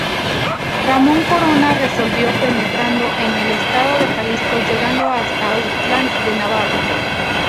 Ramón Corona resolvió penetrando en el estado de Jalisco llegando hasta Autlán de Navarro.